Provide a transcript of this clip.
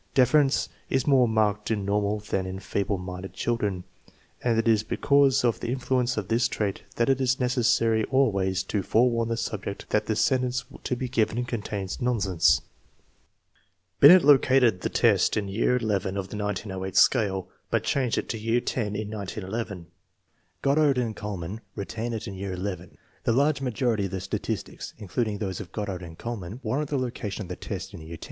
Deference is more marked in normal than in feeble minded children, and it is because of the influence of this trait that it is necessary always to forewarn the subject that the sentence to be given contains nonsense. Binet located the test in year XI of the 1908 scale, but changed it to year X in 1911. Goddard and Kuhlmann retain it in year XI. The large majority of the statistics, including those of Goddard and Eoihlniann, warrant the location of the test in year X.